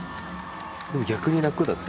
でも逆にラクだったよ。